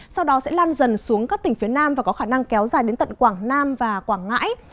sau đó sẽ lan dần xuống các tỉnh phía nam và có khả năng kéo dài đến tận quảng nam và quảng ngãi